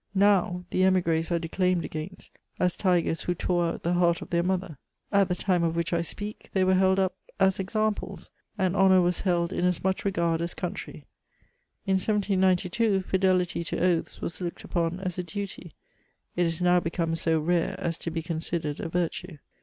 Now, the emigres are declaimed against as ^^ tigers who tore out the heart of their mother ; at the time of which I speak they were held up as examples^ and honour was held in as much regard as country. In 1792, fidelity to oaths was looked upon as a duty ; it is now become 80 rare as to be considered a virtue.